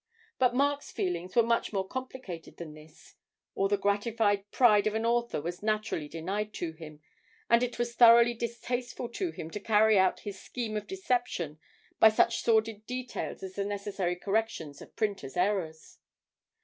But Mark's feelings were much more complicated than this; all the gratified pride of an author was naturally denied to him, and it was thoroughly distasteful to him to carry out his scheme of deception by such sordid details as the necessary corrections of printers' errors.